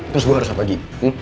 terus gue harus apa gini